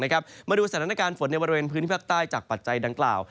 มาดูสถานการณ์ฝนในบริเวณพื้นที่ภาคใต้จากปัจจัยดังกล่าว